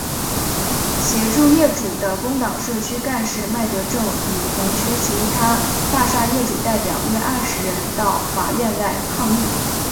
协助业主的工党社区干事麦德正与同区其他大厦业主代表约二十人到法院外抗议。